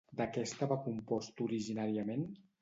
De què estava compost originàriament?